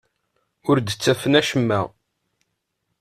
Ur d-ttafen acemma.